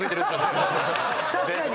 確かに！